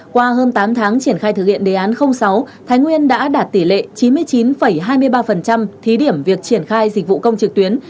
qua hơn tám tháng triển khai thực hiện đề án sáu thái nguyên đã đạt tỷ lệ chín mươi chín hai mươi ba thí điểm việc triển khai dịch vụ công trực tuyến